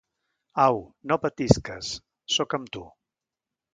Au, no patisques; sóc amb tu.